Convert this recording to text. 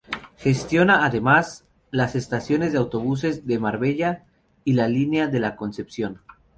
Gestiona además las estaciones de autobuses de Marbella y La Línea de la Concepción.